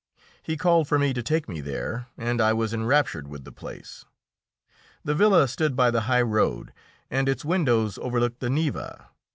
He called for me to take me there, and I was enraptured with the place. The villa stood by the high road, and its windows overlooked the Neva.